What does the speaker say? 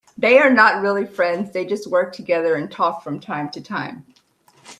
They are not really friends, they just work together and talk from time to time.